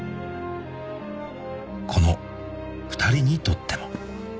［この２人にとっても］